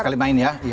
sekali main ya